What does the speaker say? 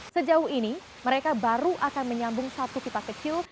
sejauh ini mereka baru akan menyambung satu kita kecil